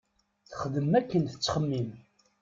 Texdem akken tettxemim.